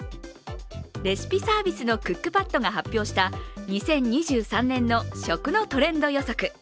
レシピサービスのクックパッドが発表した、２０２３年の食のトレンド予測。